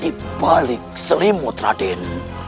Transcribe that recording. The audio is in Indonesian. dibalik selimut raden